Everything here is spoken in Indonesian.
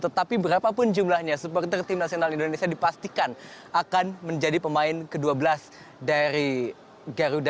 tetapi berapapun jumlahnya supporter tim nasional indonesia dipastikan akan menjadi pemain ke dua belas dari garuda